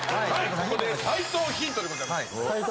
ここで斉藤ヒントでございます